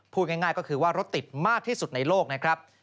พูดง่ายก็คือว่ารถติดมากที่สุดในโลกนะครับ